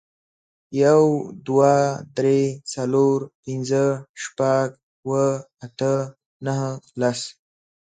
یو، دوه، درې، څلور، پنځه، شپږ، اوه، اته، نهه، لس.